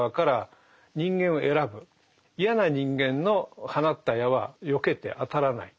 嫌な人間の放った矢はよけて当たらない。